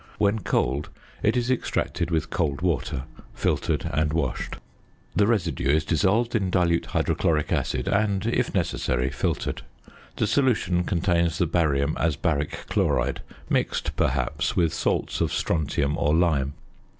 When cold, it is extracted with cold water, filtered, and washed. The residue is dissolved in dilute hydrochloric acid, and (if necessary) filtered. The solution contains the barium as baric chloride mixed, perhaps, with salts of strontium or lime.